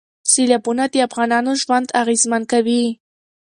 سیلابونه د افغانانو ژوند اغېزمن کوي.